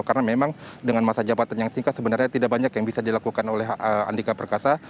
karena memang dengan masa jabatan yang singkat sebenarnya tidak banyak yang bisa dilakukan oleh andika perkasa